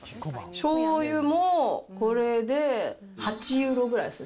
しょうゆもこれで８ユーロぐらいですね。